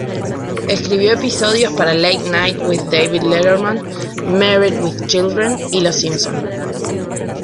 Escribió episodios para "Late Night with David Letterman", "Married with Children" y "Los Simpson".